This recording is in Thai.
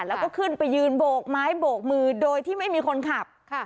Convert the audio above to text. แล้วก็ขึ้นไปยืนโบกไม้โบกมือโดยที่ไม่มีคนขับ